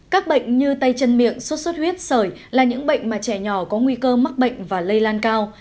các bệnh như tay chân miệng sốt xuất huyết sởi là những bệnh mà trẻ nhỏ có nguy cơ mắc bệnh và lây lan cao